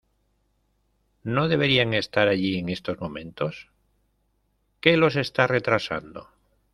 ¿ No deberían estar allí en estos momentos? ¿ qué los está retrasando ?